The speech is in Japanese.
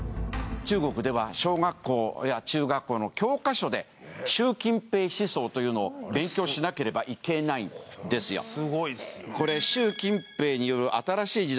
中国では小学校や中学校の教科書で習近平思想というのを勉強しなければいけないんですよ。